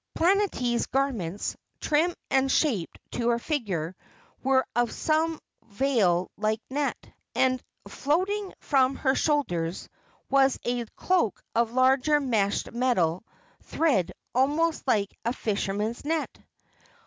Planetty's garments, trim and shaped to her figure, were of some veil like net, and, floating from her shoulders, was a cloak of larger meshed metal thread almost like a fisherman's net.